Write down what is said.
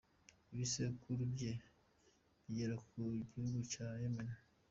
Ibisekuru bye bigera no mu gihugu cya Yemen.